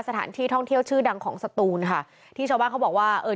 สถานที่ท่องเที่ยวชื่อดังของสตูนค่ะที่ชาวบ้านเขาบอกว่าเออ